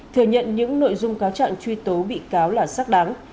thừa nhận những nội dung cáo trạng truy tố bị cáo là xác đáng